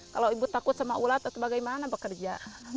kalau ibu takut sama ulat atau bagaimana bekerja